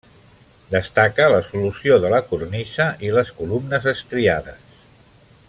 Destaca la solució de la cornisa, i les columnes estriades.